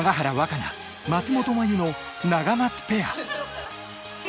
可那、松本麻佑のナガマツペア。